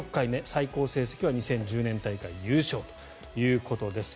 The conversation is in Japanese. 最高成績は２０１０年大会優勝ということです。